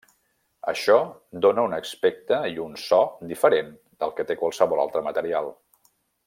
Això dóna un aspecte i un so diferent del que té qualsevol altre material.